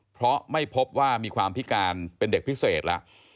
เพราะไม่พบว่ามีความพิการเป็นเด็กพิเศษแล้ว